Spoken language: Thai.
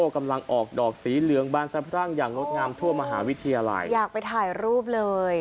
กำลังออกดอกสีเหลืองบานสะพรั่งอย่างงดงามทั่วมหาวิทยาลัยอยากไปถ่ายรูปเลย